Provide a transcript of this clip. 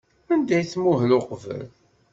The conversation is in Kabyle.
Anda ay tmuhel uqbel?